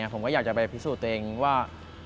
ผมก็อยากจะไปพิสูจน์ตัวเองว่า